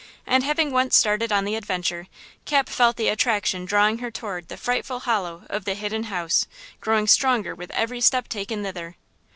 And having once started on the adventure, Cap felt the attraction drawing her toward the frightful hollow of the Hidden House growing stronger with every step taken thitherward.